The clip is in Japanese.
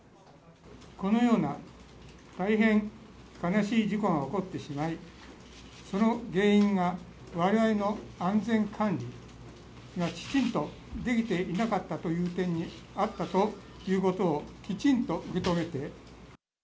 このような大変悲しい事故が起こってしまい、その原因がわれわれの安全管理がきちんとできていなかったという点にあったということを、きちんと受け止めて。